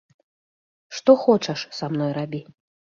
Што хочаш са мной рабі!